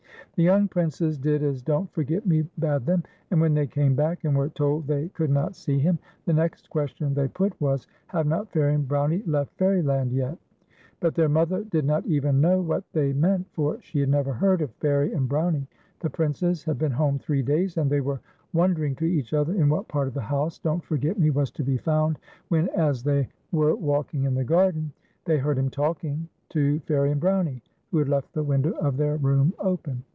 The young Princes did as Don't Forget ]\Ie bade them, and when the}' came back, and were told they could not see him, the next question they put was: " Have not Fairie and Brownie left Fairyland yet ?" But their mother did not even know what they meant, for she had never heard of Fairie and Brownie. The Princes had been home three da\ s, and they were wondering to each other in what part of the house Don't Forget Me was to be found, when, as they were FAIR IE AXD BROWXIE. 193 walkinfj in the garden, they heard liim talkincjr to Fairie and Brownie, who had left the window of their room open.